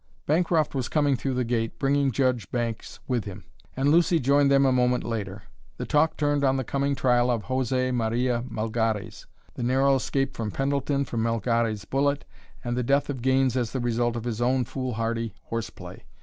Bancroft was coming through the gate, bringing Judge Banks with him; and Lucy joined them a moment later. The talk turned on the coming trial of José Maria Melgares, the narrow escape of Pendleton from Melgares' bullet, and the death of Gaines as the result of his own foolhardy horse play.